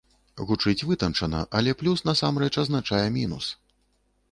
Гучыць вытанчана, але плюс насамрэч азначае мінус.